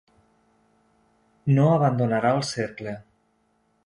No abandonarà el cercle.